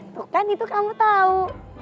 tuh kan itu kamu tahu